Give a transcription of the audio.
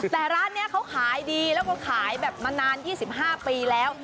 แต่ร้านนี้เขาขายดีแล้วก็ขายแบบมานาน๒๕ปีแล้ว